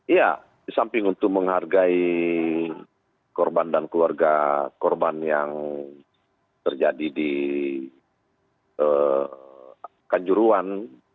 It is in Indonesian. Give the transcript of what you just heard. ya disamping untuk menghargai korban dan keluarga korban yang terjadi di kanjuruan